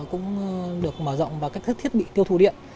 cũng được mở rộng vào các thiết bị tiêu thụ điện